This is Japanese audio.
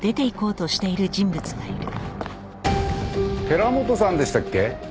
寺本さんでしたっけ？